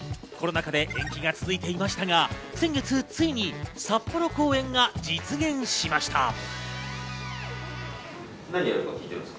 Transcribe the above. コロナ禍で延期が続いていましたが、先月ついに札幌公演が実現しました。